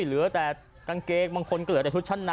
เหลือแต่กางเกงบางคนก็เหลือแต่ชุดชั้นใน